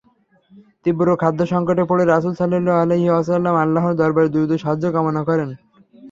তীব্র খাদ্য-সংকটে পড়ে রাসূল সাল্লাল্লাহু আলাইহি ওয়াসাল্লাম আল্লাহর দরবারে দ্রুত সাহায্য কামনা করেন।